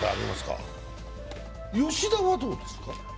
吉田はどうですか。